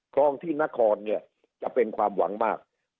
คลองที่นครเนี่ยจะเป็นความหวังมาก